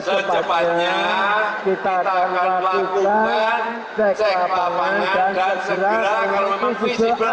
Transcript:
secepatnya kita akan melakukan cek lapangan dan segera akan memutuskan